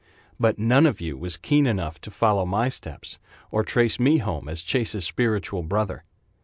But none of you was keen enough To follow my steps, or trace me home As Chase's spiritual brother.